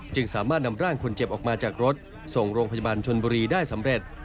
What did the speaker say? จึงสามารถนำร่างคนเจ็บออกมาจากรถส่งโรงพยาบาลชนบุรีได้สำเร็จ